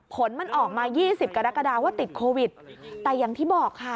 ผลมันออกมา๒๐กรกฎาว่าติดโควิดแต่อย่างที่บอกค่ะ